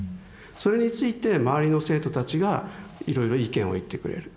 それについて周りの生徒たちがいろいろ意見を言ってくれる。